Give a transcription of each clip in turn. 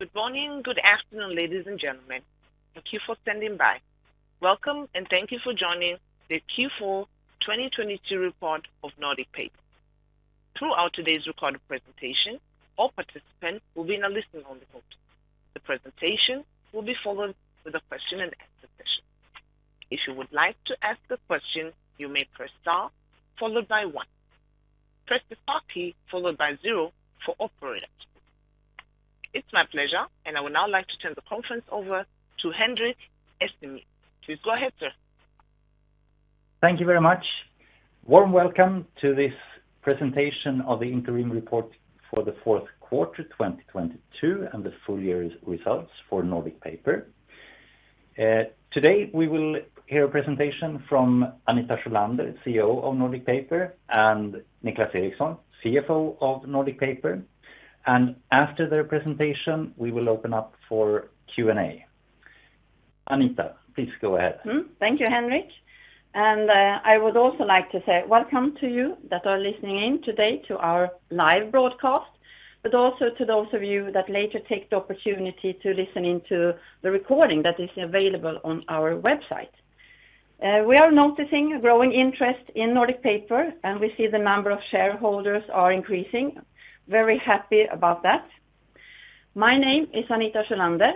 Good morning, good afternoon, ladies and gentlemen. Thank you for standing by. Welcome, and thank you for joining the Q4 2022 report of Nordic Paper. Throughout today's recorded presentation, all participants will be in a listen only mode. The presentation will be followed with a question and answer session. If you would like to ask a question, you may press star followed by one. Press the star key followed by zero for operator. It's my pleasure, and I would now like to turn the conference over to Henrik Essén. Please go ahead, sir. Thank you very much. Warm welcome to this presentation of the interim report for the fourth quarter 2022, and the full year's results for Nordic Paper. Today, we will hear a presentation from Anita Sjölander, CEO of Nordic Paper, and Niclas Eriksson, CFO of Nordic Paper. After their presentation, we will open up for Q&A. Anita, please go ahead. Thank you, Henrik. I would also like to say welcome to you that are listening in today to our live broadcast, but also to those of you that later take the opportunity to listen in to the recording that is available on our website. We are noticing a growing interest in Nordic Paper, and we see the number of shareholders are increasing. Very happy about that. My name is Anita Sjölander.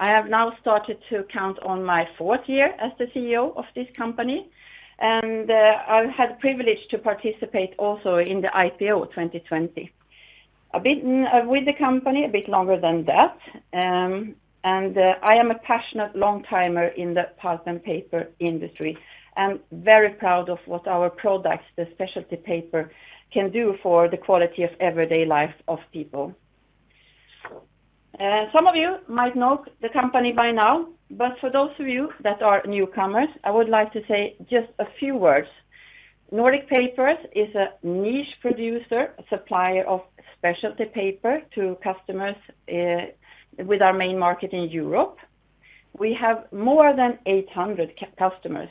I have now started to count on my fourth year as the CEO of this company, and I've had the privilege to participate also in the IPO 2020. I've been with the company a bit longer than that, and I am a passionate long-timer in the pulp and paper industry, and very proud of what our products, the specialty paper, can do for the quality of everyday life of people. Some of you might know the company by now, but for those of you that are newcomers, I would like to say just a few words. Nordic Paper is a niche producer, supplier of specialty paper to customers, with our main market in Europe. We have more than 800 customers,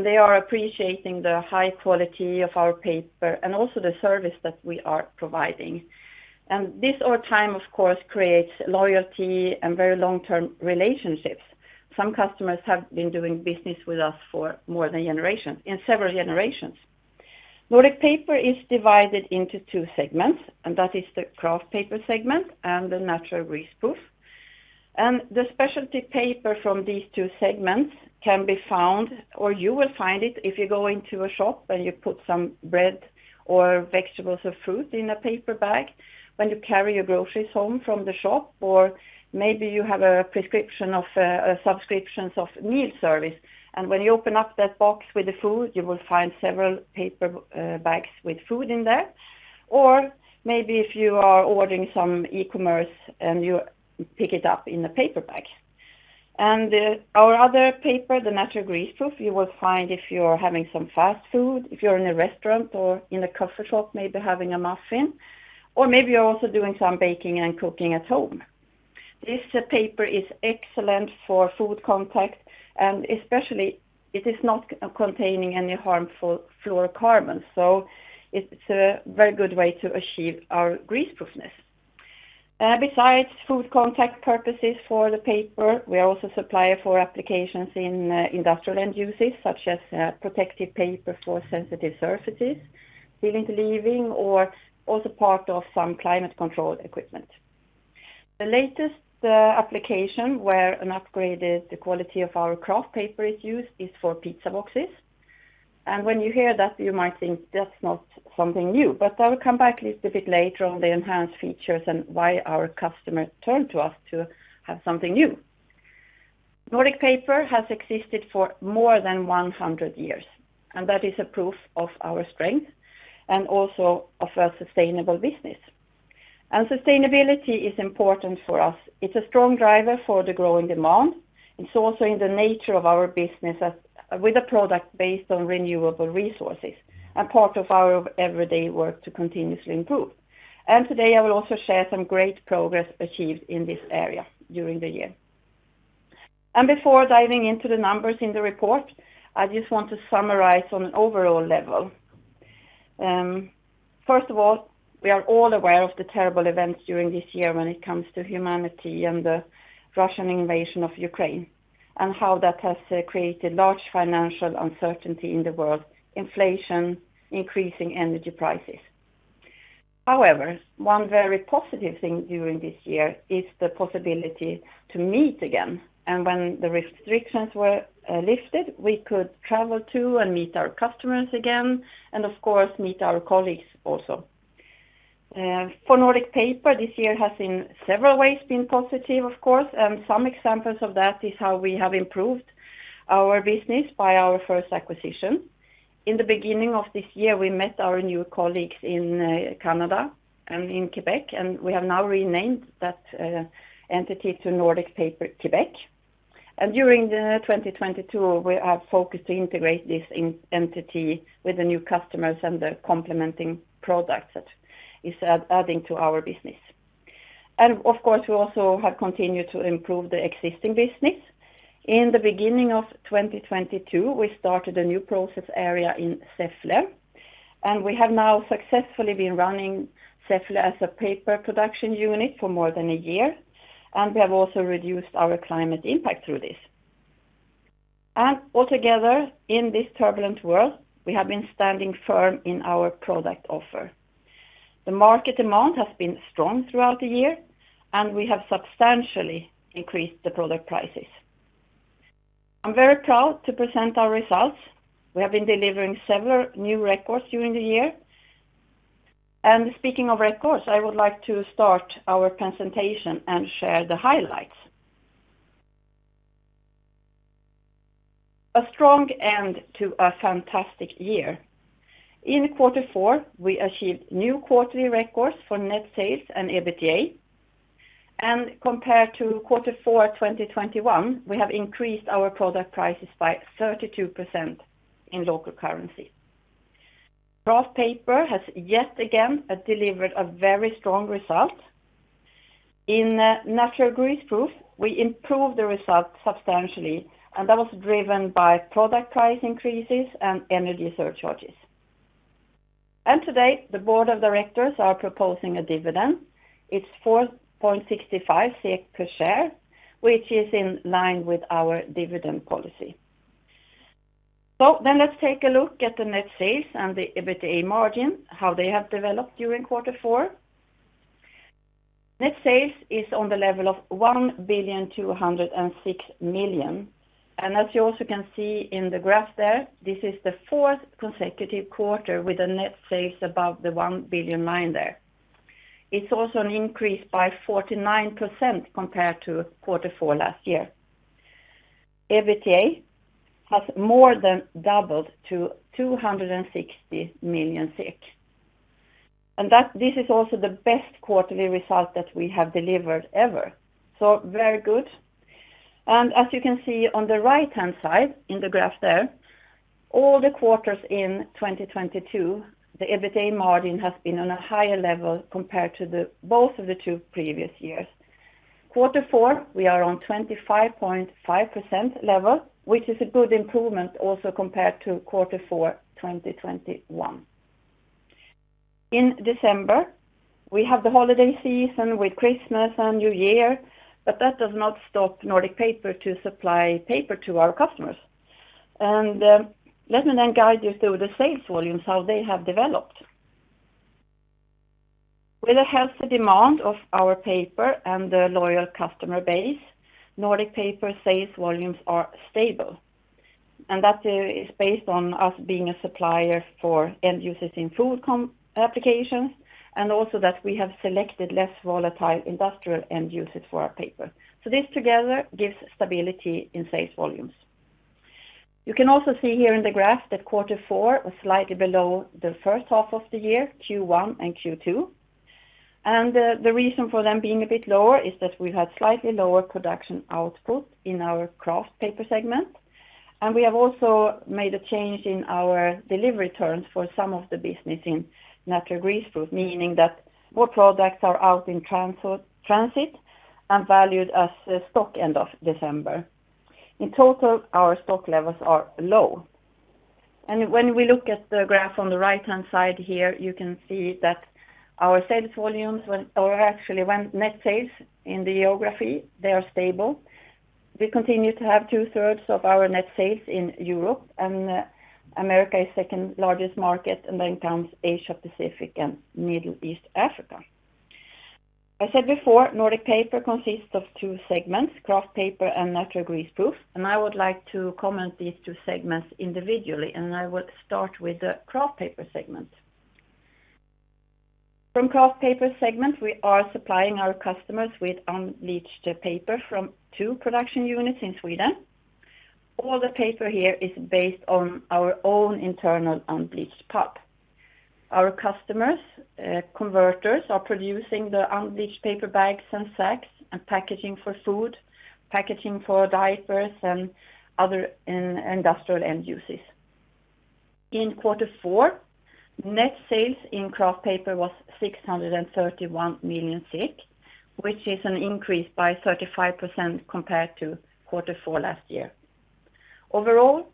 they are appreciating the high quality of our paper and also the service that we are providing. This over time, of course, creates loyalty and very long-term relationships. Some customers have been doing business with us for more than generations, in several generations. Nordic Paper is divided into two segments, and that is the Kraft Paper segment and the Natural Greaseproof. The specialty paper from these two segments can be found, or you will find it if you go into a shop and you put some bread or vegetables or fruit in a paper bag when you carry your groceries home from the shop, or maybe you have a prescription of a subscriptions of meal service. When you open up that box with the food, you will find several paper bags with food in there. Maybe if you are ordering some e-commerce and you pick it up in a paper bag. Our other paper, the Natural Greaseproof, you will find if you're having some fast food, if you're in a restaurant or in a coffee shop, maybe having a muffin, or maybe you're also doing some baking and cooking at home. This paper is excellent for food contact, especially it is not containing any harmful fluorocarbons, it's a very good way to achieve our greaseproofness. Besides food contact purposes for the paper, we are also supplier for applications in industrial end uses such as protective paper for sensitive surfaces, building and leaving, or also part of some climate control equipment. The latest application where an upgraded quality of our Kraft Paper is used is for pizza boxes. When you hear that, you might think that's not something new. I will come back little bit later on the enhanced features and why our customers turn to us to have something new. Nordic Paper has existed for more than 100 years, that is a proof of our strength and also of a sustainable business. Sustainability is important for us. It's a strong driver for the growing demand. It's also in the nature of our business as with a product based on renewable resources and part of our everyday work to continuously improve. Today, I will also share some great progress achieved in this area during the year. Before diving into the numbers in the report, I just want to summarize on an overall level. First of all, we are all aware of the terrible events during this year when it comes to humanity and the Russian invasion of Ukraine and how that has created large financial uncertainty in the world, inflation, increasing energy prices. However, one very positive thing during this year is the possibility to meet again. When the restrictions were lifted, we could travel to and meet our customers again and of course meet our colleagues also. For Nordic Paper, this year has in several ways been positive, of course. Some examples of that is how we have improved our business by our first acquisition. In the beginning of this year, we met our new colleagues in Canada and in Quebec, and we have now renamed that entity to Nordic Paper Quebec. During 2022, we are focused to integrate this entity with the new customers and the complementing products that is adding to our business. Of course, we also have continued to improve the existing business. In the beginning of 2022, we started a new process area in Säffle. We have now successfully been running Säffle as a paper production unit for more than a year, and we have also reduced our climate impact through this. Altogether, in this turbulent world, we have been standing firm in our product offer. The market demand has been strong throughout the year, and we have substantially increased the product prices. I'm very proud to present our results. We have been delivering several new records during the year. Speaking of records, I would like to start our presentation and share the highlights. A strong end to a fantastic year. In Q4, we achieved new quarterly records for net sales and EBITDA. Compared to Q4 2021, we have increased our product prices by 32% in local currency. Kraft Paper has yet again delivered a very strong result. In Natural Greaseproof, we improved the result substantially, and that was driven by product price increases and energy surcharges. Today, the board of directors are proposing a dividend. It's 4.65 per share, which is in line with our dividend policy. Let's take a look at the net sales and the EBITDA margin, how they have developed during quarter four. Net sales is on the level of 1,206 million. As you also can see in the graph there, this is the fourth consecutive quarter with a net sales above the 1 billion line there. It's also an increase by 49% compared to quarter four last year. EBITDA has more than doubled to 260 million. This is also the best quarterly result that we have delivered ever. Very good. As you can see on the right-hand side in the graph there, all the quarters in 2022, the EBITDA margin has been on a higher level compared to the both of the two previous years. Quarter four, we are on 25.5% level, which is a good improvement also compared to Quarter four, 2021. In December, we have the holiday season with Christmas and New Year, that does not stop Nordic Paper to supply paper to our customers. Let me then guide you through the sales volumes, how they have developed. With a healthy demand of our paper and the loyal customer base, Nordic Paper sales volumes are stable. That is based on us being a supplier for end users in food applications, and also that we have selected less volatile industrial end users for our paper. This together gives stability in sales volumes. You can also see here in the graph that quarter four was slightly below the H1 of the year, Q1 and Q2. The reason for them being a bit lower is that we had slightly lower production output in our Kraft Paper segment. We have also made a change in our delivery terms for some of the business in Natural Greaseproof, meaning that more products are out in transit and valued as stock end of December. In total, our stock levels are low. When we look at the graph on the right-hand side here, you can see that our sales volumes or actually net sales in the geography, they are stable. We continue to have two-thirds of our net sales in Europe. America is second largest market, then comes Asia Pacific and Middle East Africa. I said before, Nordic Paper consists of two segments, Kraft Paper and Natural Greaseproof. I would like to comment these two segments individually. I will start with the Kraft Paper segment. From Kraft Paper segment, we are supplying our customers with unbleached paper from two production units in Sweden. All the paper here is based on our own internal unbleached pulp. Our customers, converters are producing the unbleached paper bags and sacks and packaging for food, packaging for diapers and other in-industrial end uses. In quarter four, net sales in Kraft Paper was 631 million, which is an increase by 35% compared to quarter four last year. Overall,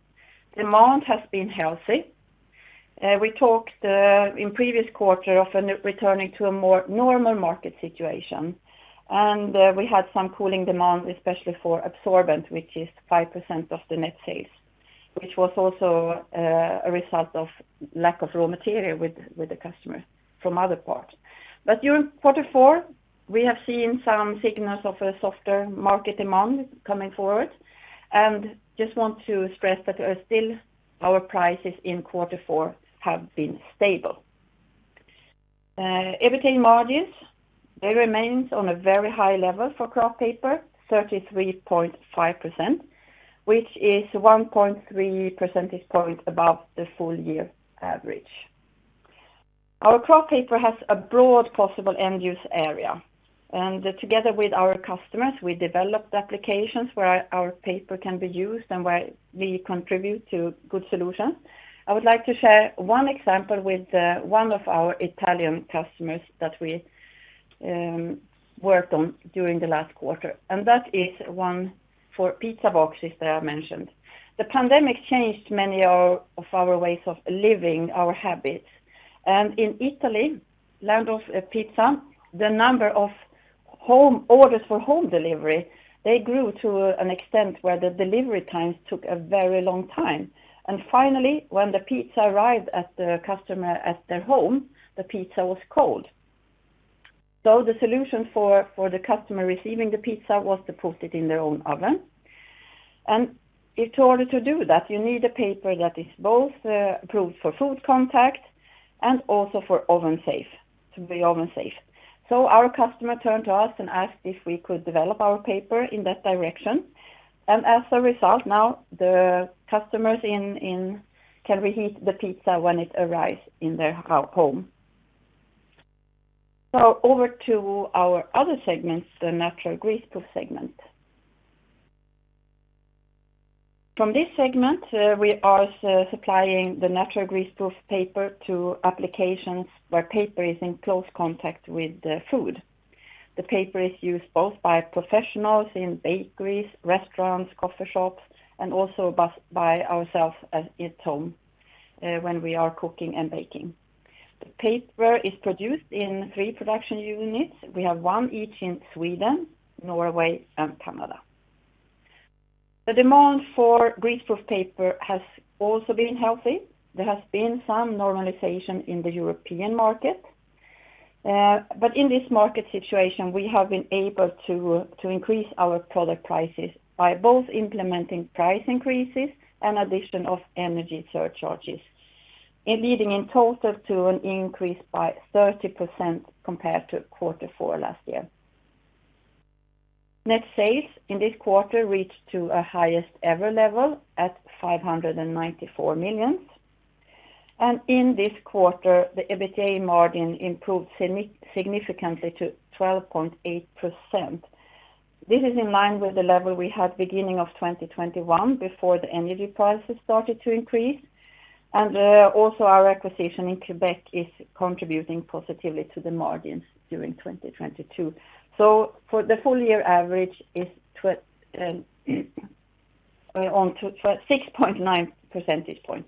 demand has been healthy. We talked in previous quarter of an returning to a more normal market situation, we had some cooling demand, especially for absorbent, which is 5% of the net sales, which was also a result of lack of raw material with the customer from other parts. During quarter four, we have seen some signals of a softer market demand coming forward, and just want to stress that still our prices in quarter four have been stable. EBITDA margins, they remains on a very high level for Kraft Paper, 33.5%, which is 1.3 percentage point above the full year average. Our Kraft Paper has a broad possible end use area, and together with our customers, we developed applications where our paper can be used and where we contribute to good solutions. I would like to share one example with one of our Italian customers that we worked on during the last quarter, and that is one for pizza boxes that I mentioned. The pandemic changed many of our ways of living, our habits. In Italy, land of pizza, the number of home orders for home delivery, they grew to an extent where the delivery times took a very long time. Finally, when the pizza arrived at the customer, at their home, the pizza was cold. The solution for the customer receiving the pizza was to put it in their own oven. In order to do that, you need a paper that is both approved for food contact and also to be oven safe. Our customer turned to us and asked if we could develop our paper in that direction. As a result, now the customers in can reheat the pizza when it arrives in their home. Over to our other segments, the Natural Greaseproof segment. From this segment, we are supplying the Natural Greaseproof paper to applications where paper is in close contact with the food. The paper is used both by professionals in bakeries, restaurants, coffee shops, and also by ourselves at home when we are cooking and baking. The paper is produced in three production units. We have one each in Sweden, Norway, and Canada. The demand for Greaseproof paper has also been healthy. There has been some normalization in the European market. But in this market situation, we have been able to increase our product prices by both implementing price increases and addition of energy surcharges, leading in total to an increase by 30% compared to quarter four last year. Net sales in this quarter reached to a highest ever level at 594 million. In this quarter, the EBITDA margin improved significantly to 12.8%. This is in line with the level we had beginning of 2021 before the energy prices started to increase. Also our acquisition in Quebec is contributing positively to the margins during 2022. For the full year average is on 6.9 percentage point.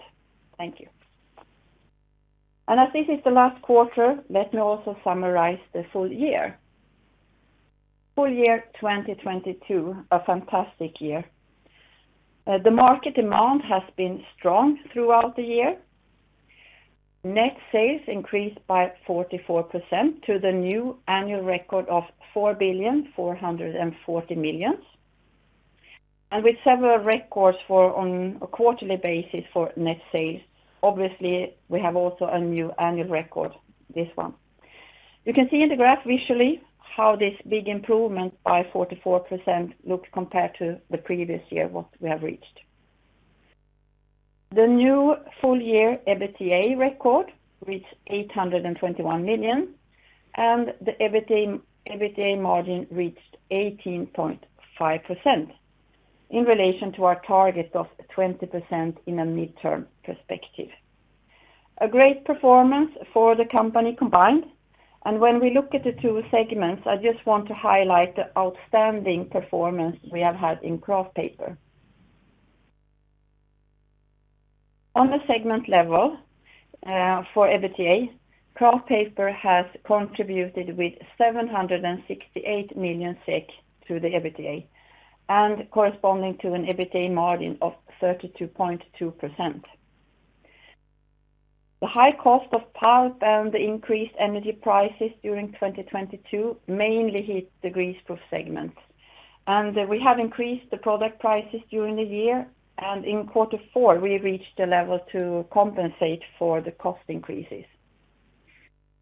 Thank you. As this is the last quarter, let me also summarize the full year. Full year 2022, a fantastic year. The market demand has been strong throughout the year. Net sales increased by 44% to the new annual record of 4,440 million. With several records for on a quarterly basis for net sales, obviously, we have also a new annual record, this one. You can see in the graph visually how this big improvement by 44% looks compared to the previous year, what we have reached. The new full year EBITDA record reached 821 million, and the EBITDA margin reached 18.5% in relation to our target of 20% in a midterm perspective. A great performance for the company combined. When we look at the two segments, I just want to highlight the outstanding performance we have had in Kraft Paper. On the segment level, for Kraft Paper has contributed with 768 million SEK to the EBITDA, corresponding to an EBITDA margin of 32.2%. The high cost of pulp and the increased energy prices during 2022 mainly hit the Greaseproof segment. We have increased the product prices during the year, in Q4, we reached a level to compensate for the cost increases.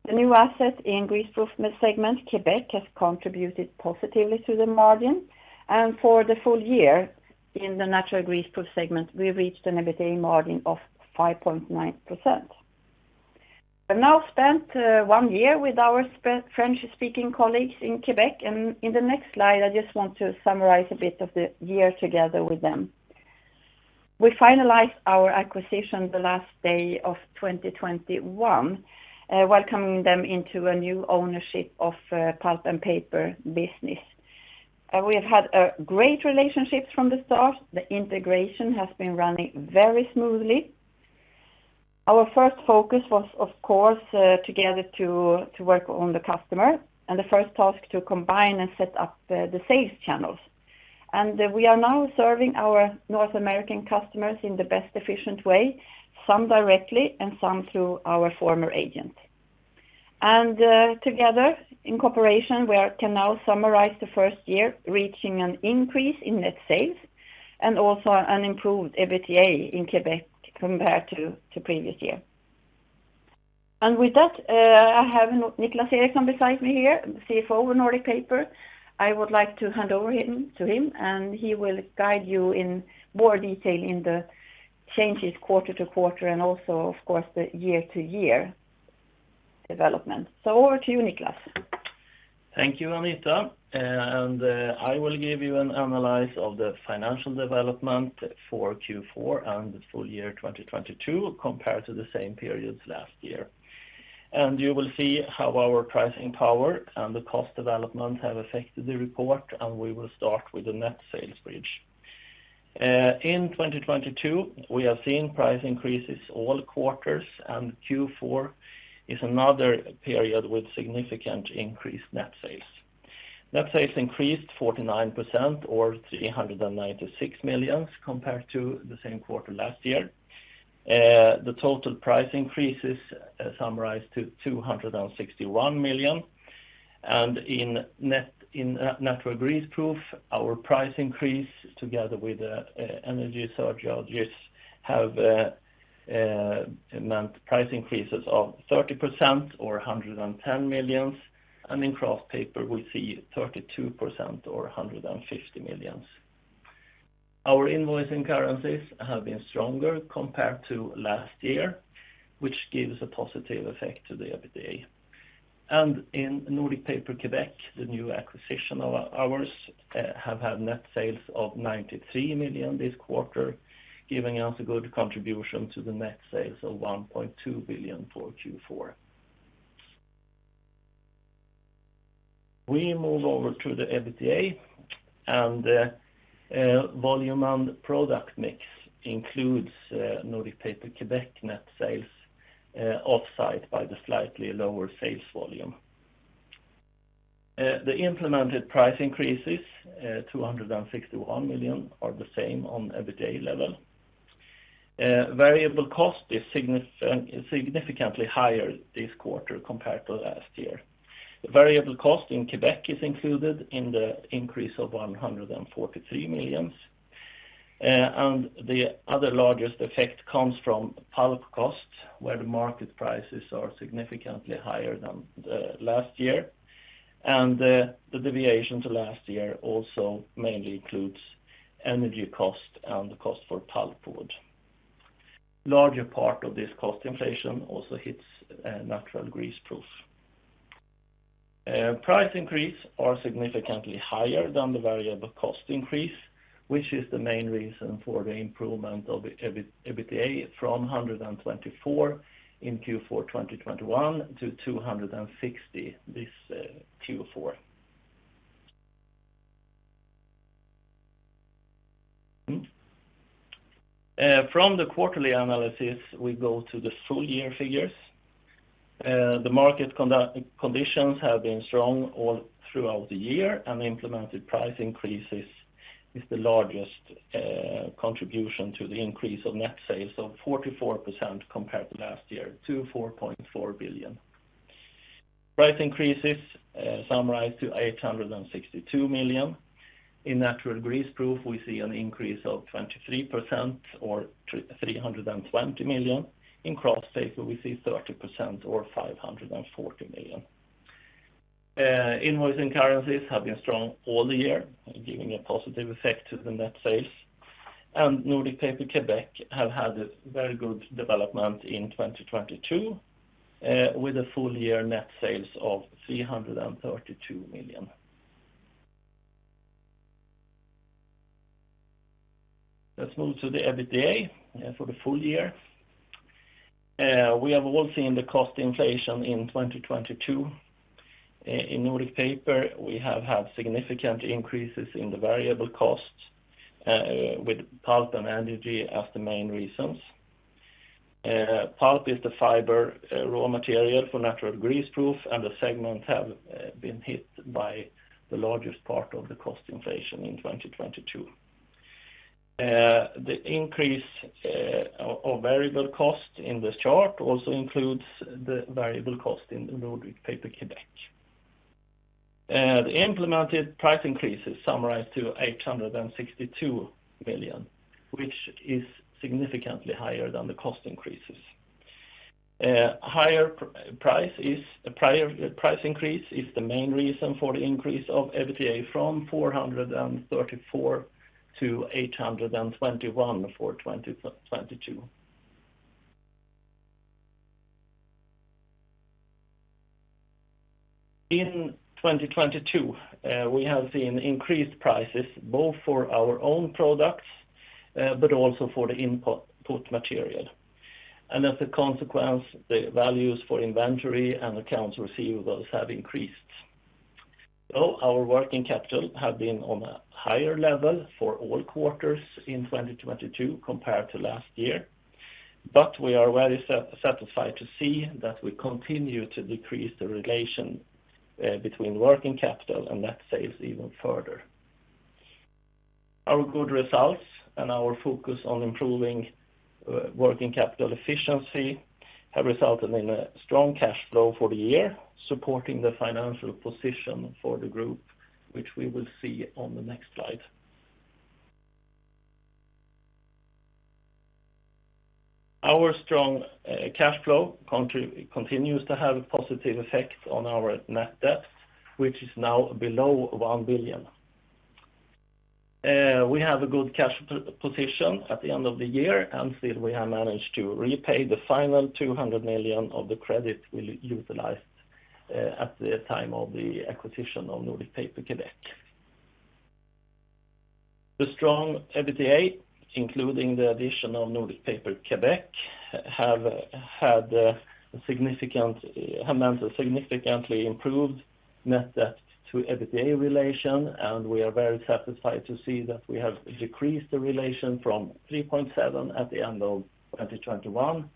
The new asset in Greaseproof segment, Québec, has contributed positively to the margin. For the full year in the Natural Greaseproof segment, we reached an EBITDA margin of 5.9%. We've now spent 1 year with our French-speaking colleagues in Québec, in the next slide, I just want to summarize a bit of the year together with them. We finalized our acquisition the last day of 2021, welcoming them into a new ownership of pulp and paper business. We have had a great relationship from the start. The integration has been running very smoothly. Our first focus was, of course, together to work on the customer, the first task to combine and set up the sales channels. We are now serving our North American customers in the best efficient way, some directly and some through our former agent. Together in cooperation, we can now summarize the first year reaching an increase in net sales and also an improved EBITDA in Quebec compared to previous year. With that, I have Niclas Eriksson beside me here, the CFO of Nordic Paper. I would like to hand over to him, he will guide you in more detail in the changes quarter-to-quarter and also, of course, the year-to-year development. Over to you, Niclas. Thank you, Anita. I will give you an analyze of the financial development for Q4 and the full year 2022 compared to the same periods last year. You will see how our pricing power and the cost development have affected the report, and we will start with the net sales bridge. In 2022, we have seen price increases all quarters, and Q4 is another period with significant increased net sales. Net sales increased 49% or 396 million compared to the same quarter last year. The total price increases summarized to 261 million. In net, in Natural Greaseproof, our price increase together with the energy surcharges have amount to price increases of 30% or 110 million. Kraft Paper, we see 32% or 150 million. Our invoice and currencies have been stronger compared to last year, which gives a positive effect to the EBITDA. In Nordic Paper Quebec, the new acquisition of ours, have had net sales of 93 million this quarter, giving us a good contribution to the net sales of 1.2 billion for Q4. We move over to the EBITDA. Volume and product mix includes Nordic Paper Quebec net sales, offsite by the slightly lower sales volume. The implemented price increases, 261 million are the same on EBITDA level. Variable cost is significantly higher this quarter compared to last year. The variable cost in Quebec is included in the increase of 143 million. The other largest effect comes from pulp costs, where the market prices are significantly higher than last year. The deviation to last year also mainly includes energy cost and the cost for pulpwood. Larger part of this cost inflation also hits Natural Greaseproof. Price increase are significantly higher than the variable cost increase, which is the main reason for the improvement of the EBITDA from 124 in Q4 2021 to 260 this Q4. From the quarterly analysis, we go to the full year figures. The market conditions have been strong all throughout the year, and the implemented price increases is the largest contribution to the increase of net sales of 44% compared to last year to 4.4 billion. Price increases summarized to 862 million. In Natural Greaseproof, we see an increase of 23% or 320 million. Kraft Paper, we see 30% or 540 million. Invoice and currencies have been strong all the year, giving a positive effect to the net sales. Nordic Paper Quebec have had a very good development in 2022 with a full year net sales of 332 million. Let's move to the EBITDA for the full year. We have all seen the cost inflation in 2022. In Nordic Paper, we have had significant increases in the variable costs with pulp and energy as the main reasons. Pulp is the fiber raw material for Natural Greaseproof, and the segment have been hit by the largest part of the cost inflation in 2022. The increase of variable cost in this chart also includes the variable cost in the Nordic Paper Quebec. The implemented price increases summarized to 862 million, which is significantly higher than the cost increases. Higher price increase is the main reason for the increase of EBITDA from 434 to 821 for 2022. In 2022, we have seen increased prices both for our own products, but also for the input material. As a consequence, the values for inventory and accounts receivables have increased. Our working capital have been on a higher level for all quarters in 2022 compared to last year. We are very satisfied to see that we continue to decrease the relation between working capital and net sales even further. Our good results and our focus on improving working capital efficiency have resulted in a strong cash flow for the year, supporting the financial position for the group, which we will see on the next slide. Our strong cash flow continues to have a positive effect on our net debt, which is now below 1 billion. We have a good cash position at the end of the year. Still we have managed to repay the final 200 million of the credit we utilized at the time of the acquisition of Nordic Paper Quebec. The strong EBITDA. Including the addition of Nordic Paper Quebec have had a significant, have meant a significantly improved net debt to EBITDA relation. We are very satisfied to see that we have decreased the relation from 3.7 at the end of 2021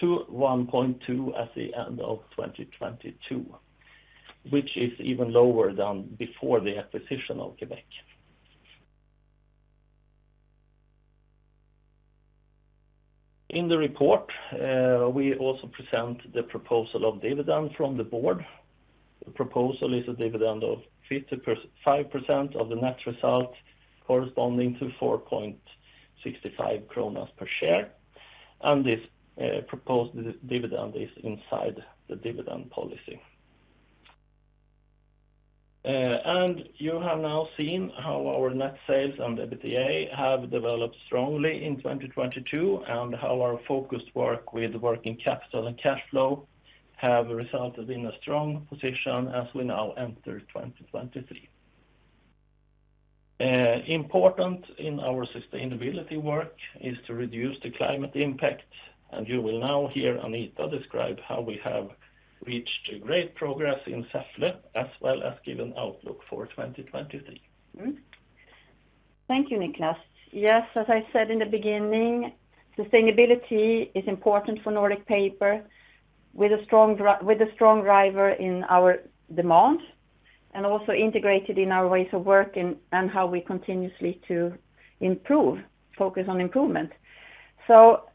to 1.2 at the end of 2022, which is even lower than before the acquisition of Québec. In the report, we also present the proposal of dividend from the board. The proposal is a dividend of 55% of the net result corresponding to 4.65 kronor per share. This proposed dividend is inside the dividend policy. You have now seen how our net sales and EBITDA have developed strongly in 2022 and how our focused work with working capital and cash flow have resulted in a strong position as we now enter 2023. Important in our sustainability work is to reduce the climate impact, you will now hear Anita describe how we have reached a great progress in Säffle, as well as give an outlook for 2023. Thank you, Niclas. Yes, as I said in the beginning, sustainability is important for Nordic Paper with a strong driver in our demand, and also integrated in our ways of working and how we continuously to improve, focus on improvement.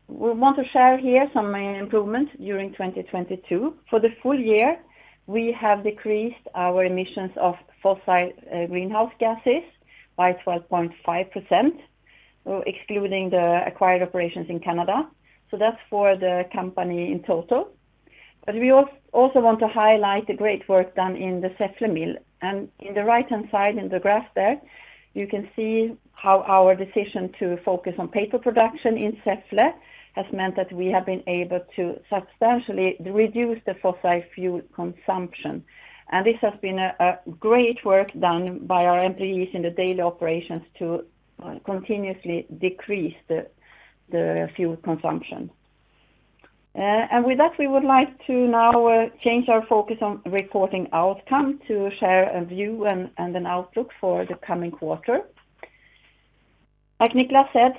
We want to share here some improvements during 2022. For the full year, we have decreased our emissions of fossil greenhouse gases by 12.5%, excluding the acquired operations in Canada. That's for the company in total. We also want to highlight the great work done in the Säffle mill. In the right-hand side in the graph there, you can see how our decision to focus on paper production in Säffle has meant that we have been able to substantially reduce the fossil fuel consumption. This has been a great work done by our employees in the daily operations to continuously decrease the fuel consumption. With that, we would like to now change our focus on reporting outcome to share a view and an outlook for the coming quarter. Like Niclas said,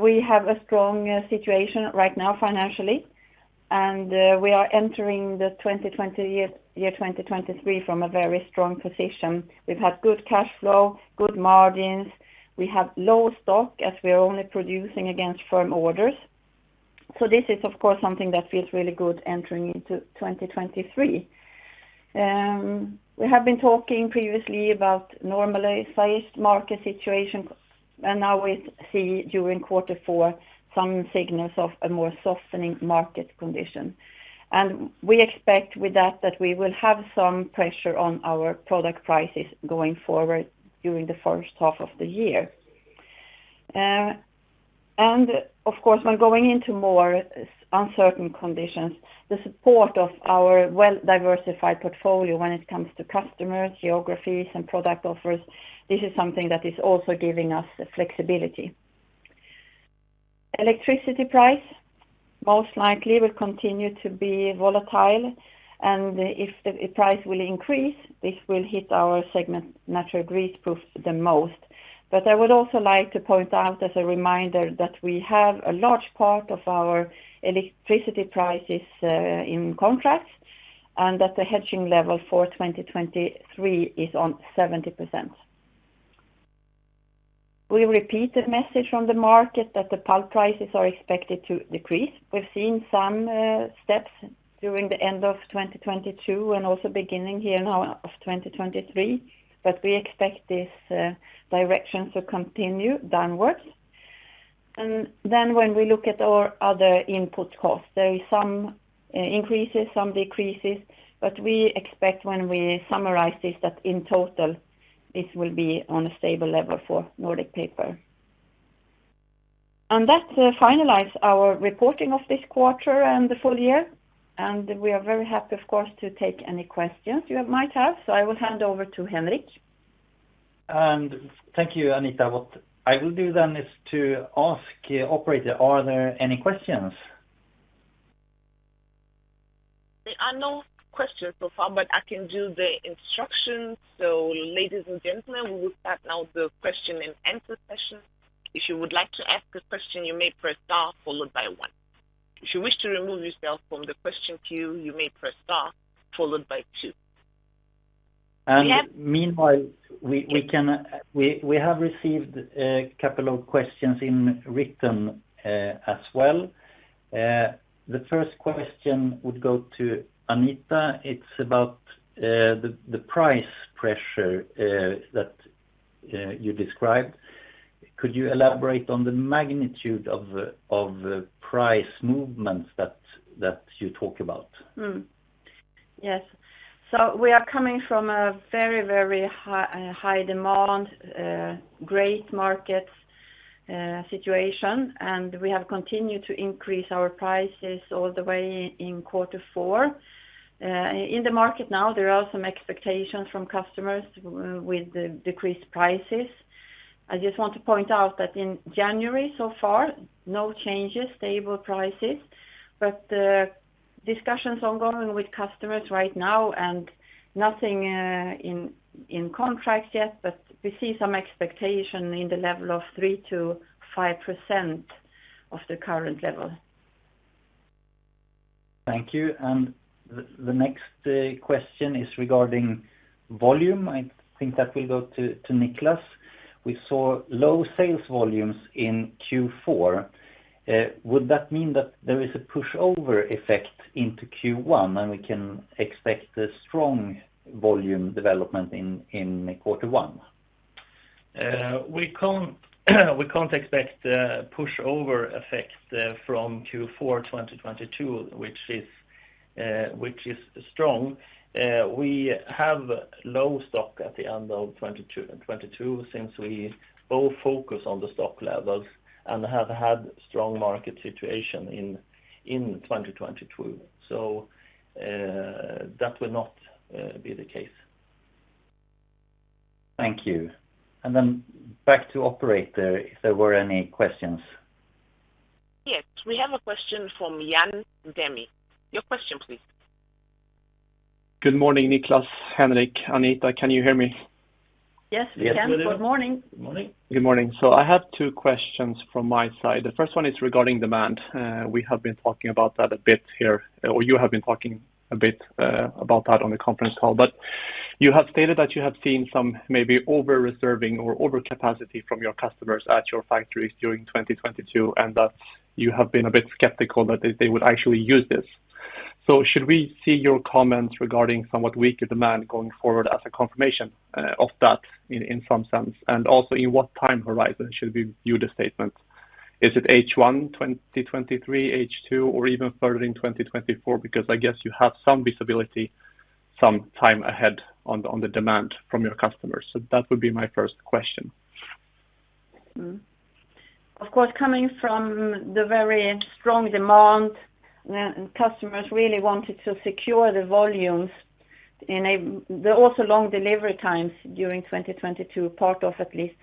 we have a strong situation right now financially, and we are entering the 2023 from a very strong position. We've had good cash flow, good margins. We have low stock, as we are only producing against firm orders. This is, of course, something that feels really good entering into 2023. We have been talking previously about normalized market situation, and now we see during quarter four some signals of a more softening market condition. We expect with that we will have some pressure on our product prices going forward during the H1 of the year. Of course, when going into more uncertain conditions, the support of our well-diversified portfolio when it comes to customers, geographies, and product offers, this is something that is also giving us flexibility. Electricity price most likely will continue to be volatile, and if the price will increase, this will hit our segment Natural Greaseproof the most. I would also like to point out as a reminder that we have a large part of our electricity prices in contracts, and that the hedging level for 2023 is on 70%. We repeat the message from the market that the pulp prices are expected to decrease. We've seen some steps during the end of 2022 and also beginning here now of 2023, but we expect this direction to continue downwards. When we look at our other input costs, there is some increases, some decreases, but we expect when we summarize this, that in total, this will be on a stable level for Nordic Paper. That finalizes our reporting of this quarter and the full year, and we are very happy, of course, to take any questions you might have. I will hand over to Henrik. Thank you, Anita. What I will do then is to ask the operator, are there any questions? There are no questions so far, but I can do the instructions. Ladies and gentlemen, we will start now the question and answer session. If you would like to ask a question, you may press star followed by 1. If you wish to remove yourself from the question queue, you may press star followed by two. Meanwhile, we can, we have received a couple of questions in written as well. The first question would go to Anita. It's about the price pressure that you described. Could you elaborate on the magnitude of price movements that you talk about? Yes. We are coming from a very, very high, high demand, great market, situation, and we have continued to increase our prices all the way in quarter four. In the market now, there are some expectations from customers with the decreased prices. I just want to point out that in January so far, no changes, stable prices. Discussions ongoing with customers right now and nothing in contract yet, but we see some expectation in the level of 3%-5% of the current level. Thank you. The next question is regarding volume. I think that will go to Niclas. We saw low sales volumes in Q4. Would that mean that there is a pushover effect into Q1, and we can expect a strong volume development in quarter one? We can't expect a pushover effect from Q4 2022, which is strong. We have low stock at the end of 2022, since we both focus on the stock levels and have had strong market situation in 2022. That will not be the case. Thank you. Back to operator if there were any questions. Yes, we have a question from Jani Deme. Your question, please. Good morning, Niklas, Henrik, Anita. Can you hear me? Yes, we can. Yes. Good morning. Good morning. Good morning. I have two questions from my side. The first one is regarding demand. We have been talking about that a bit here, or you have been talking a bit about that on the conference call. You have stated that you have seen some maybe over reserving or overcapacity from your customers at your factories during 2022, and that you have been a bit skeptical that they would actually use this. Should we see your comments regarding somewhat weaker demand going forward as a confirmation of that in some sense? Also in what time horizon should we view the statement? Is it H1 2023, H2, or even further in 2024? I guess you have some visibility some time ahead on the demand from your customers. That would be my first question. Mm-hmm. Of course, coming from the very strong demand, and customers really wanted to secure the volumes. There are also long delivery times during 2022, part of at least.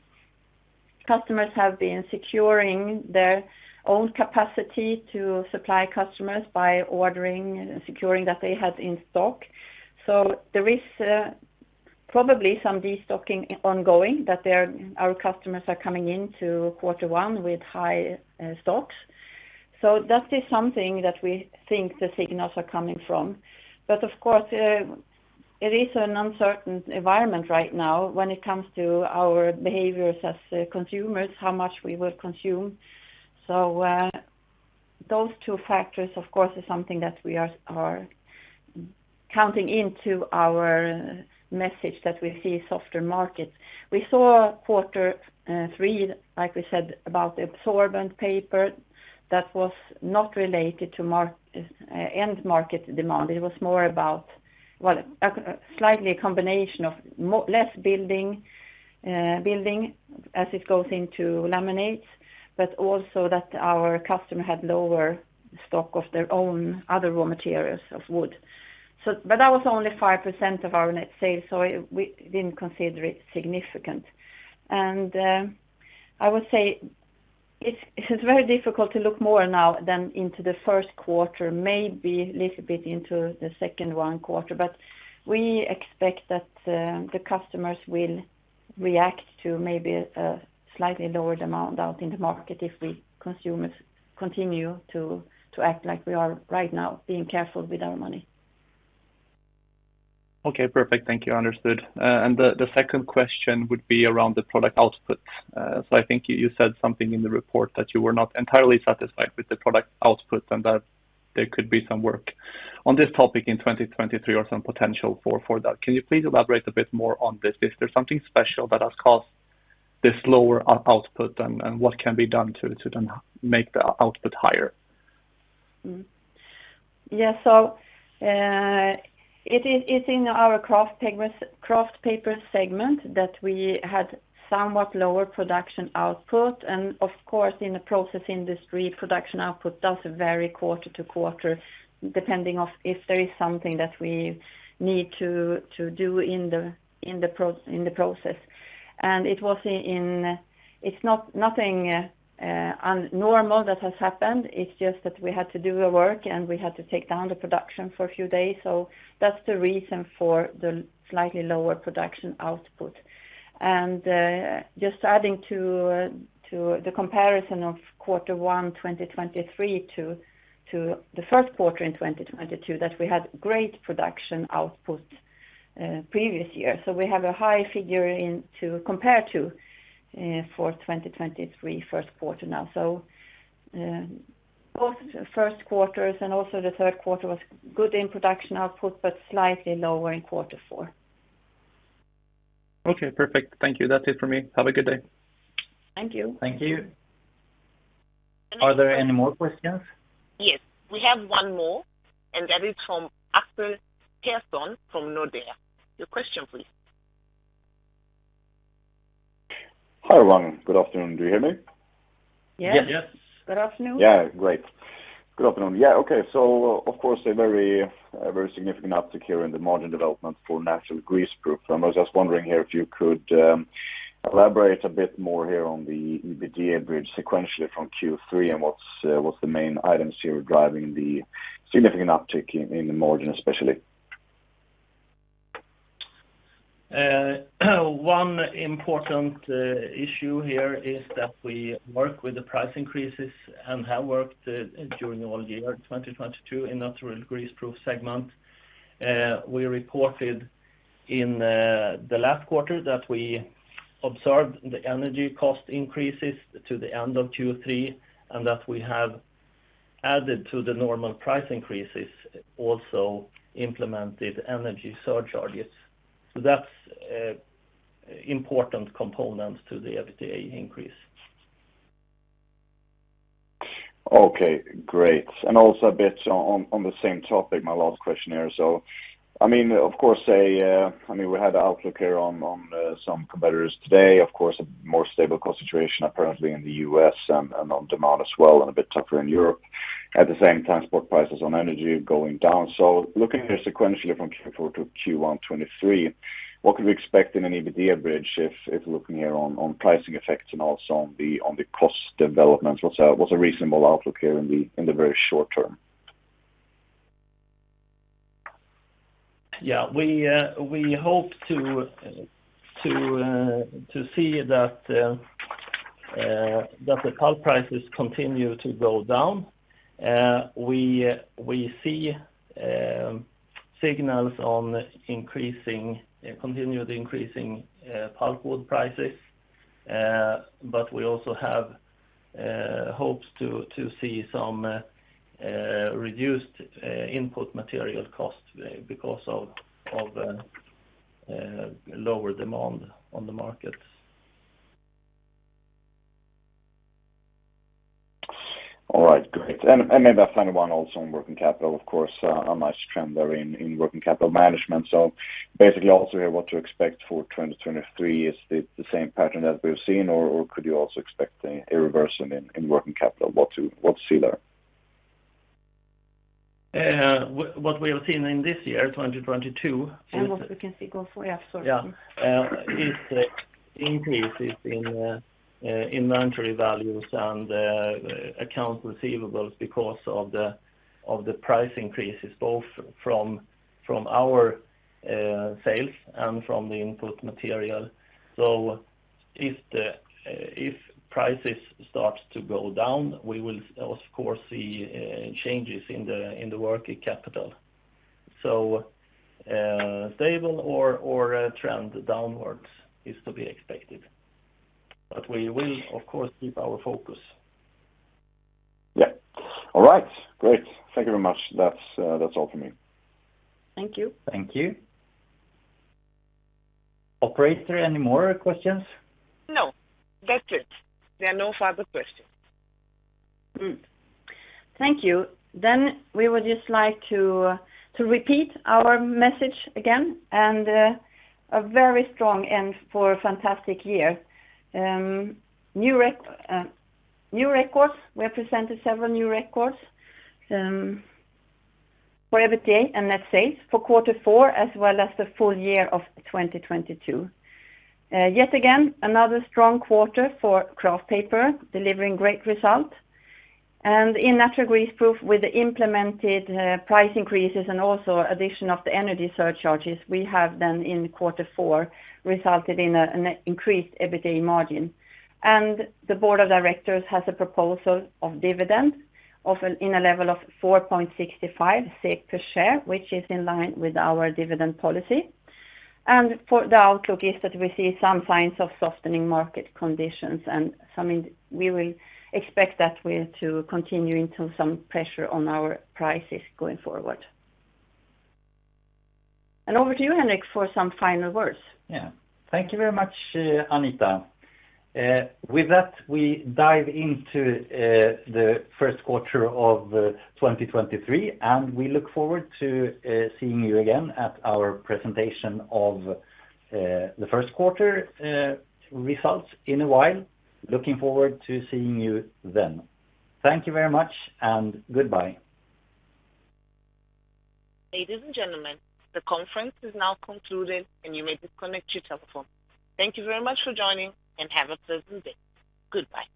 Customers have been securing their own capacity to supply customers by ordering and securing that they had in stock. There is probably some destocking ongoing, that our customers are coming into quarter one with high stocks. That is something that we think the signals are coming from. Of course, it is an uncertain environment right now when it comes to our behaviors as consumers, how much we will consume. Those two factors, of course, is something that we are counting into our message that we see softer markets. We saw quarter three, like we said about the absorbent paper, that was not related to end market demand. It was more about, well, slightly a combination of less building as it goes into laminates, but also that our customer had lower stock of their own other raw materials of wood. That was only 5% of our net sales, so it, we didn't consider it significant. I would say it's very difficult to look more now than into the Q1, maybe a little bit into the second one quarter. We expect that the customers will react to maybe a slightly lower demand out in the market if we consumers continue to act like we are right now, being careful with our money. Okay, perfect. Thank you. Understood. The second question would be around the product output. I think you said something in the report that you were not entirely satisfied with the product output and that there could be some work on this topic in 2023 or some potential for that. Can you please elaborate a bit more on this? Is there something special that has caused this lower output, and what can be done to then make the output higher? It's in our Kraft Paper segment that we had somewhat lower production output. Of course, in the process industry, production output does vary quarter to quarter depending on if there is something that we need to do in the process. It's not nothing unnormal that has happened. It's just that we had to do a work, and we had to take down the production for a few days. That's the reason for the slightly lower production output. Just adding to the comparison of quarter one 2023 to the Q1 in 2022, that we had great production output previous year. We have a high figure in to compare to for 2023 Q1 now. Both Q1s and also the Q3 was good in production output but slightly lower in quarter four. Okay, perfect. Thank you. That's it for me. Have a good day. Thank you. Thank you. And- Are there any more questions? Yes. We have one more, and that is from Axel Persson from Nordea. Your question, please. Hi, everyone. Good afternoon. Do you hear me? Yes. Yes. Good afternoon. Yeah, great. Good afternoon. Yeah, okay. Of course, a very A very significant uptick here in the margin development for Natural Greaseproof. I was just wondering here if you could elaborate a bit more here on the EBITDA bridge sequentially from Q3 and what's the main items here driving the significant uptick in the margin especially? One important issue here is that we work with the price increases and have worked during all year 2022 in Natural Greaseproof segment. We reported in the last quarter that we observed the energy cost increases to the end of Q3, and that we have added to the normal price increases, also implemented energy surcharges. That's important component to the EBITDA increase. Okay, great. Also a bit on the same topic, my last question here. I mean, of course, we had the outlook here on some competitors today. Of course, a more stable cost situation apparently in the U.S. and on demand as well, and a bit tougher in Europe. At the same time, spot prices on energy going down. Looking here sequentially from Q4 to Q1 2023, what can we expect in an EBITDA bridge if looking here on pricing effects and also on the cost development? What's a reasonable outlook here in the very short term? Yeah. We hope to see that the pulp prices continue to go down. We see signals on increasing, continued increasing pulpwood prices. We also have hopes to see some reduced input material costs because of lower demand on the markets. All right, great. Maybe a final one also on working capital, of course, a nice trend there in working capital management. Basically also here, what to expect for 2023. Is it the same pattern as we've seen or could you also expect a reversal in working capital? What to see there? What we have seen in this year, 2022 What we can see going forward, yeah, sorry. Yeah. Is increases in inventory values and accounts receivables because of the price increases, both from our sales and from the input material. If the prices starts to go down, we will of course see changes in the working capital. Stable or a trend downwards is to be expected, but we will of course keep our focus. Yeah. All right. Great. Thank you very much. That's, that's all from me. Thank you. Thank you. Operator, any more questions? No, that's it. There are no further questions. Thank you. We would just like to repeat our message again and a very strong end for a fantastic year. We have presented several new records for EBITDA and net sales for quarter four, as well as the full year of 2022. Yet again, another strong quarter for Kraft Paper, delivering great result. In Natural Greaseproof, with the implemented price increases and also addition of the energy surcharges we have done in quarter four resulted in an increased EBITDA margin. The board of directors has a proposal of dividend in a level of 4.65 SEK per share, which is in line with our dividend policy. For the outlook is that we see some signs of softening market conditions. We will expect that we're to continue into some pressure on our prices going forward. Over to you, Henrik, for some final words. Yeah. Thank you very much, Anita. With that, we dive into the Q1 of 2023. We look forward to seeing you again at our presentation of the Q1 results in a while. Looking forward to seeing you then. Thank you very much, and goodbye. Ladies and gentlemen, the conference is now concluded and you may disconnect your telephone. Thank you very much for joining, and have a pleasant day. Goodbye.